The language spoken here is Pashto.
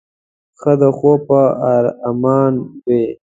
ښه د خوب په ارمان وې.